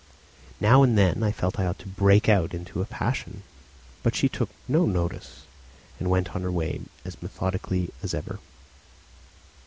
Now and then I felt I ought to break out into a passion, but she took no notice and went on her way as methodically as ever.